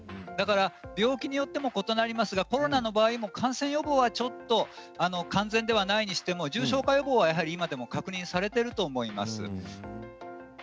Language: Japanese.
病気によっては異なりますけれどコロナの場合の感染予防は完全ではないにしても重症化予防は今でも確認されていると思います。